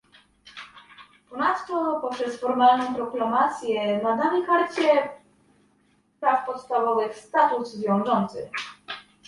Ponadto poprzez formalną proklamację nadamy karcie praw podstawowych status wiążący